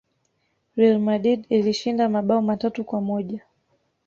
real madrid ilishinda mabao matatu kwa moja